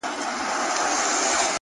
هغه خپه دی، هغه چم د شناخته نه کوي~